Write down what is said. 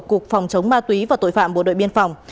cục phòng chống ma túy và tội phạm bộ đội biên phòng